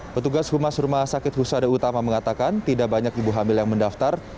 petugas humas rumah sakit husada utama mengatakan tidak banyak ibu hamil yang mendaftar